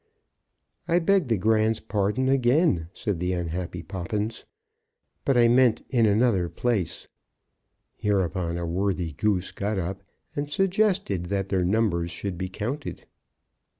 "I beg the Grand's pardon again," said the unhappy Poppins; "but I meant in another place." Hereupon a worthy Goose got up and suggested that their numbers should be counted.